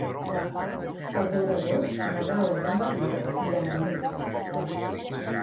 El deu d'agost na Gal·la i en Bernat iran al metge.